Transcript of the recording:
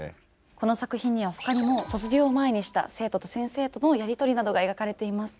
この作品にはほかにも卒業を前にした生徒と先生とのやり取りなどが描かれています。